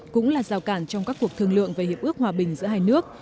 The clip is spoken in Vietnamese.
cũng là rào cản trong các cuộc thương lượng về hiệp ước hòa bình giữa hai nước